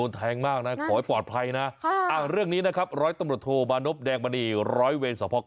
แล้วพวกเขาก็วิ่งไล่อยู่กับเจ๊เป๊ก